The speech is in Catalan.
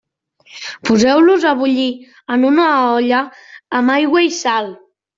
Poseu-los a bullir en una olla amb aigua i sal.